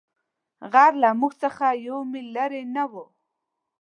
غر له موږ څخه یو مېل لیرې نه وو.